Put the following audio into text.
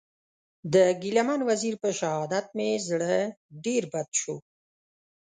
د ګیله من وزېر په شهادت مې زړه ډېر بد سو.